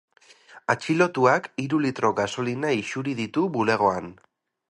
Atxilotuak hiru litro gasolina isuri ditu bulegoan.